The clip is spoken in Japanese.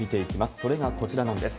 それがこちらなんです。